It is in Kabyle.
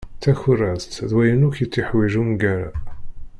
Takurazt d wayen akk yettiḥwiǧ umgara.